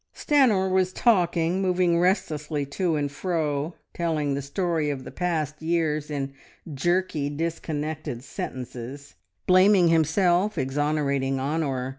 Stanor was talking, moving restlessly to and fro, telling the story of the past years in jerky, disconnected sentences, blaming himself, exonerating Honor.